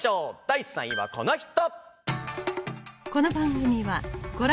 第３位はこの人！